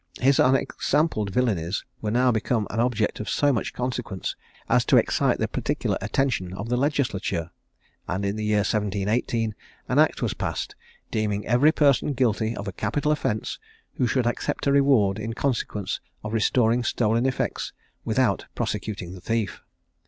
His unexampled villanies were now become an object of so much consequence, as to excite the particular attention of the legislature; and in the year 1718 an act was passed, deeming every person guilty of a capital offence who should accept a reward in consequence of restoring stolen effects without prosecuting the thief.